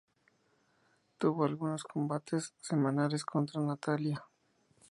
Tuvo algunos combates semanales contra Natalya.